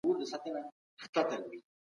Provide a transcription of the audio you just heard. که ته غواړې نو زه به درته د هیلې نوې لار وښیم.